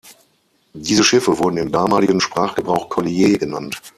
Diese Schiffe wurden im damaligen Sprachgebrauch "collier" genannt.